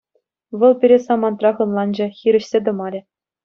Вӑл пире самантрах ӑнланчӗ, хирӗҫсе тӑмарӗ.